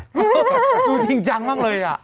หนูจริงจังมากเลย